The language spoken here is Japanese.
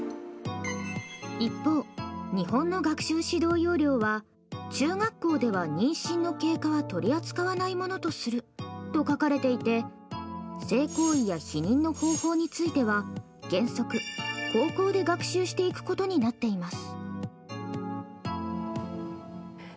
一方、日本の学習指導要領は中学校では妊娠の経過は取り扱わないものとすると書かれていて性行為や避妊の方法については原則高校で学習していくことになっています。